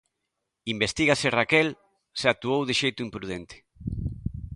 Investígase, Raquel, se actuou de xeito imprudente.